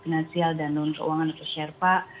finansial dan non keuangan atau sherpa